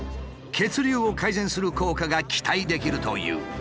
血流を改善する効果が期待できるという。